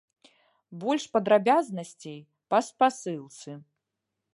Больш падрабязнасцей па спасылцы.